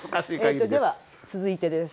では続いてです。